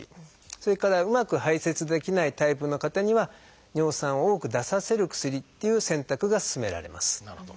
それからうまく排せつできないタイプの方には尿酸を多く出させる薬っていう選択が勧められます。